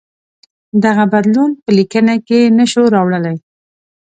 دغه بدلون په لیکنه کې نه شو راوړلای.